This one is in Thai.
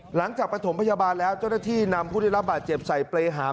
ประถมพยาบาลแล้วเจ้าหน้าที่นำผู้ได้รับบาดเจ็บใส่เปรยหาม